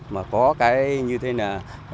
mà có cái như thế là